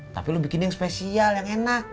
tapi lo bikin yang spesial yang enak